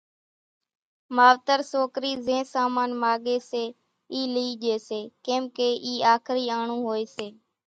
ماوتر سوڪرِي زين سامان ماڳي سي اِي لِي ڄي سي ڪيمڪي اِي آکرِي آڻون ھوئي سي